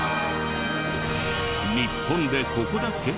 日本でここだけ！？